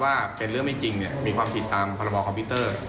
ว่าเป็นเรื่องไม่จริงมีความผิดตามพรบคอมพิวเตอร์